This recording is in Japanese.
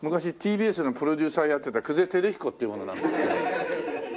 昔ＴＢＳのプロデューサーやってた久世光彦っていう者なんですけど。